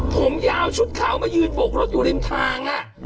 ผมยาวชุดเขามายืดบกรถอยู่ริมทางน่ะ